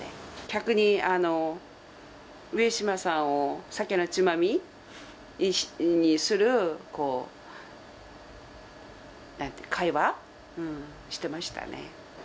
逆に、上島さんを酒のつまみにするなんて言うか、会話してましたね。